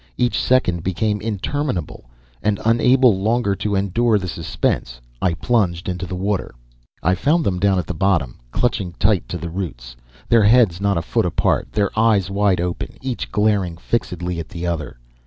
Each second became interminable, and, unable longer to endure the suspense, I plunged into the water. I found them down at the bottom, clutching tight to the roots, their heads not a foot apart, their eyes wide open, each glaring fixedly at the other.